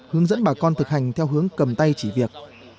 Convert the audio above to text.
hướng dẫn bà con thực hành theo hướng cầm tay chỉ việc